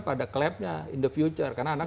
pada klubnya in the future karena anak